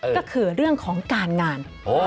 ก็คือเรื่องของการงาน